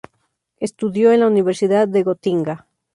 Estudió en la Universidad de Gotinga.